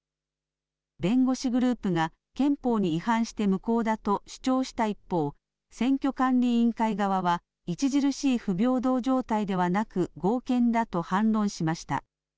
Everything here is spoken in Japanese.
弁護士グループが憲法に違反して無効だと主張した一方、選挙管理委員会側は著しい不平等状態ではなく、合憲だと反論しました。